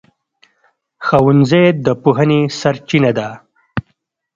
ښوونځی د پوهنې سرچینه ده.